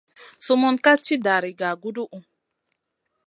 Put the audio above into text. Sumun ka tì dari gaguduhu.